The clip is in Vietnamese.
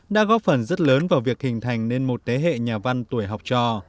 đã góp phần rất lớn vào việc hình thành nên một thế hệ nhà văn tuổi học trò